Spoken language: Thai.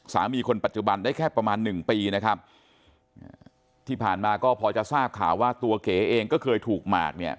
คนปัจจุบันได้แค่ประมาณหนึ่งปีนะครับที่ผ่านมาก็พอจะทราบข่าวว่าตัวเก๋เองก็เคยถูกหมากเนี่ย